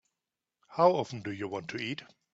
How often do you want to eat?